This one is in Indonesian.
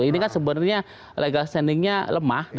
ini kan sebenarnya legal standing nya lemah